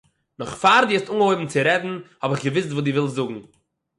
נאכפאר דו האסט אנגעהויבן צו רעדן האב איך געוויסט וואס דו ווילסט זאגן